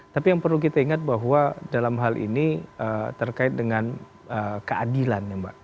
tapi yang perlu kita ingat bahwa dalam hal ini terkait dengan keadilan ya mbak